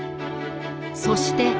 そして。